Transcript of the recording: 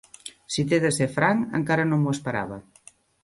Si t'he de ser franc, encara no m'ho esperava.